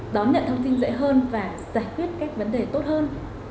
đón nhận thông tin dễ hơn và giải quyết các vấn đề tốt hơn